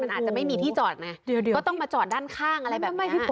มันไม่มีที่จอดนะต้องมาจอดด้านข้างอะไรแบบนี้